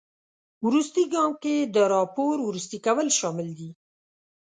وروستي ګام کې د راپور وروستي کول شامل دي.